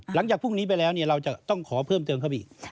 หลังจากพรุ่งนี้ไปแล้วเราจะต้องขอเพิ่มเติมเข้าไปอีก